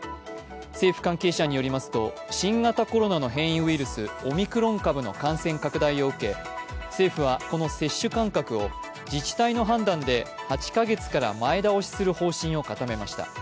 政府関係者によりますと、新型コロナの変異ウイルス、オミクロン株の感染拡大を受け、政府はこの接種間隔を自治体の判断で８カ月から前倒しする方針を固めました。